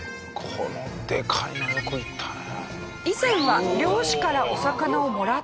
このでかいのよくいったね。